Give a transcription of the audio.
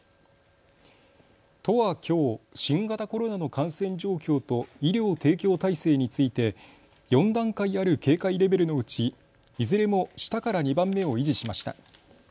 都はきょう新型コロナの感染状況と医療提供体制について４段階ある警戒レベルのうちいずれも下から２番目を維持しました。